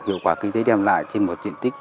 hiệu quả kinh tế đem lại trên một diện tích